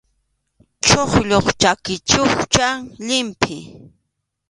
Chuqllup chʼaki chukchan llimpʼi.